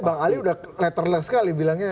tapi bang ali sudah letterless sekali bilangnya makar